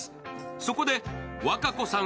そこで、和歌子さん